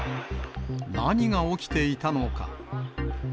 何が起きていたのか。